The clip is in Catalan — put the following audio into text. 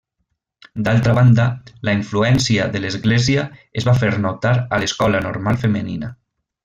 D’altra banda, la influència de l’església es va fer notar a l’Escola Normal Femenina.